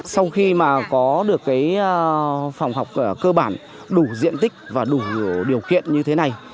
sau khi mà có được phòng học cơ bản đủ diện tích và đủ điều kiện như thế này